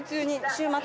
週末？